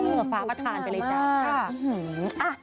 เหนือฟ้าประธานไปเลยจ้า